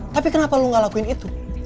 tapi kenapa lu gak lakuin itu